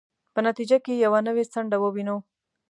په نتیجه کې یوه نوې څنډه ووینو.